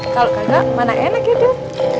kalo kagak mana enak hidup